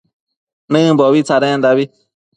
Nëmbobi tsadendabi